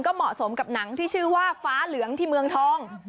เหมาะสมกับหนังที่ชื่อว่าฟ้าเหลืองที่เมืองทอง